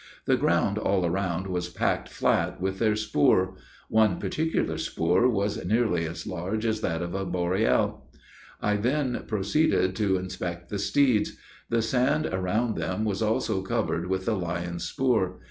The ground all around was packed flat with their spoor; one particular spoor was nearly as large as that of a borele. I then proceeded to inspect the steeds: the sand around them was also covered with the lion's spoor.